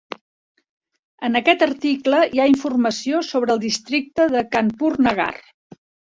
En aquest article hi ha informació sobre el districte de Kanpur Nagar.